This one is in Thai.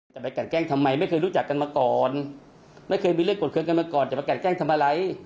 ไปกันแกล้งทำไมไม่เคยรู้จักกันมาก่อนไม่เคยมีเรื่องกดเครื่องกันมาก่อนจะไปกันแกล้งทำอะไร